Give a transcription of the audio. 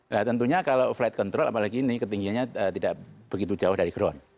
nah tentunya kalau flight control apalagi ini ketinggiannya tidak begitu jauh dari ground